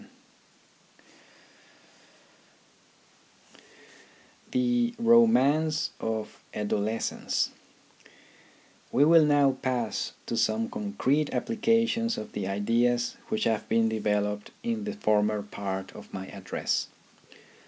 THE RHYTHM OF EDUCATION 17 THE ROMANCE OF ADOLESCENCE We will now pass to some concrete applications of the ideas which have been developed in the former part of my address.